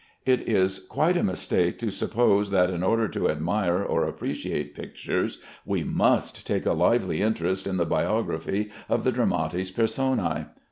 It is quite a mistake to suppose that in order to admire or appreciate pictures we must take a lively interest in the biography of the dramatis personæ.